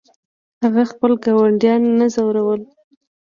هغه خپل ګاونډیان نه ځورول.